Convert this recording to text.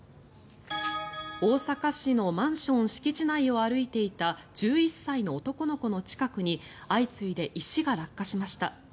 大阪市のマンション敷地内を歩いていた１１歳の男の子の近くに相次いで石が落下しました。